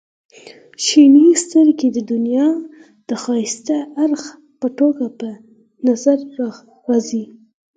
• شنې سترګې د دنیا د ښایسته اړخ په توګه په نظر راځي.